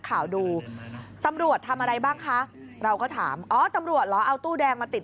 ข่าวดูตำรวจทำอะไรบ้างคะเราก็ถามอ๋อตำรวจเหรอเอาตู้แดงมาติด